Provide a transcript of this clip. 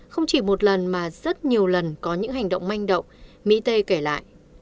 không chỉ một lần mà rất nhiều lần có những hành động manh động mỹ tây kể lại